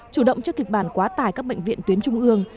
chủ động cho kịch bản quá tải các bệnh viện tuyến trung ương